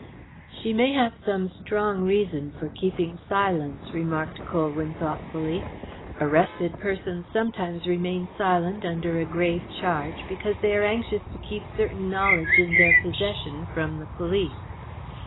"She may have some strong reason for keeping silence," remarked Colwyn thoughtfully. "Arrested persons sometimes remain silent under a grave charge because they are anxious to keep certain knowledge in their possession from the police.